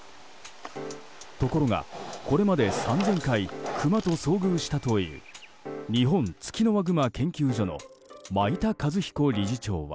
ところが、これまで３０００回クマと遭遇したという日本ツキノワグマ研究所の米田一彦理事長は。